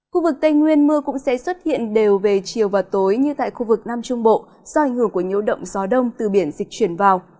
khu vực tây nguyên mưa cũng sẽ xuất hiện đều về chiều và tối như tại khu vực nam trung bộ do ảnh hưởng của nhiễu động gió đông từ biển dịch chuyển vào